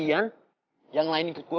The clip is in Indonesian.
lu pada nge bunuh semua